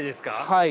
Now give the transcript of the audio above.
はい。